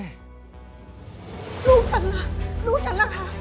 ลูกฉันล่ะลูกฉันล่ะคะ